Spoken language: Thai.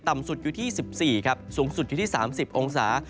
สุดอยู่ที่๑๔ครับสูงสุดอยู่ที่๓๐องศา